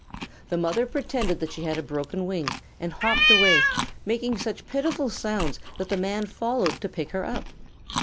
The mother pretended that she had a broken wing, and hopped away, making such pitiful sounds that the man followed to pick her up.